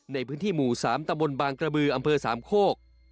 ในพื้นที่หมู่๓ตะบนบางกระบืออำเภอสามโคก